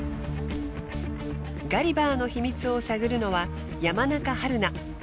ガリバーの秘密を探るのは山中陽菜。